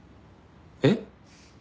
えっ？